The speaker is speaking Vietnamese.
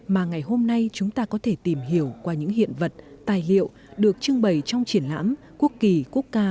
mà ngày hôm nay chúng ta có thể tìm hiểu qua những hiện vật tài liệu được trưng bày trong triển lãm quốc kỳ quốc ca